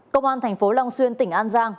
công an thành phố long xuyên tỉnh an giang